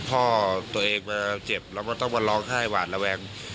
พ่อตัวเองมาเจ็บเราก็ต้องมาร้องไห้หวาดระแวง